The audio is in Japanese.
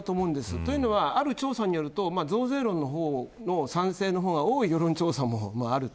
というのは、ある調査によると増税論の方の賛成の方が多い世論調査もあると。